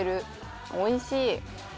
おいしい。